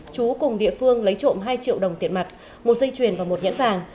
trú cùng địa phương lấy trộm hai triệu đồng tiền mặt một dây chuyền và một nhãn vàng